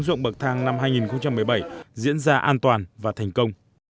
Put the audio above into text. dụng bậc thang năm hai nghìn một mươi bảy diễn ra an toàn và thành công